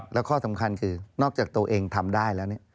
และข้อสำคัญคือนอกจากตัวเองทำได้แล้ว